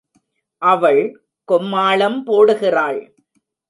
அவள் கொம்மாளம் போடுகிறாள்.